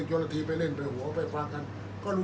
อันไหนที่มันไม่จริงแล้วอาจารย์อยากพูด